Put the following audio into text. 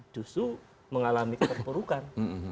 justru mengalami keperlukan